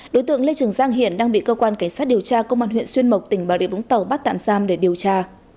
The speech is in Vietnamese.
đối tượng lê trường giang hiện đang bị cơ quan cảnh sát điều tra công an huyện xuyên mộc tỉnh bà địa vũng tàu bắt tạm giam để điều tra